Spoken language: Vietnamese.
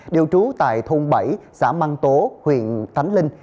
điều trú tại thôn bảy xã măng tố huyện thánh linh